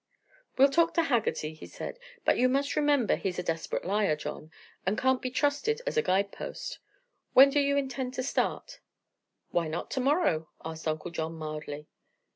"We'll talk to Haggerty," he said. "But you must remember he's a desperate liar, John, and can't be trusted as a guidepost. When do you intend to start?" "Why not to morrow?" asked Uncle John mildly.